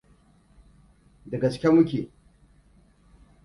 Da gaske muke.